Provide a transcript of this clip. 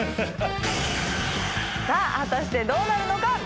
さあ果たしてどうなるのか？